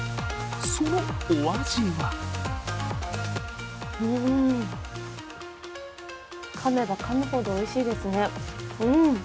そのお味はうーん、かめばかむほど、おいしいですね。